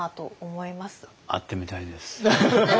会ってみたいです。